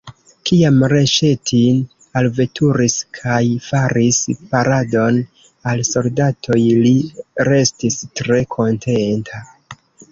Kiam Reŝetin alveturis kaj faris paradon al soldatoj, li restis tre kontenta.